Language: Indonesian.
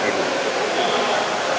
semuanya harus siap ikut pemilu